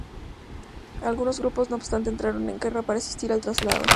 Algunos grupos, no obstante, entraron en guerra para resistir el traslado.